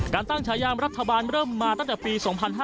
การตั้งฉายามรัฐบาลเริ่มมาตั้งแต่ปี๒๕๕๙